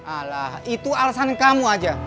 alah itu alasan kamu aja